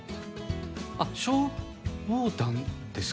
あっ消防団ですか？